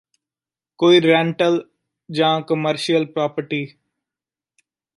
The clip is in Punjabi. ਕੋਈ ਰੈਂਟਲ ਜਾਂ ਕਮਰਸ਼ੀਅਲ ਪ੍ਰਾਪਰਟੀ